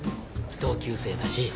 同級生だし。